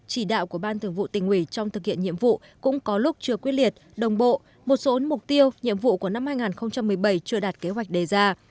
chỉ đạo của ban thường vụ tỉnh ủy trong thực hiện nhiệm vụ cũng có lúc chưa quyết liệt đồng bộ một số mục tiêu nhiệm vụ của năm hai nghìn một mươi bảy chưa đạt kế hoạch đề ra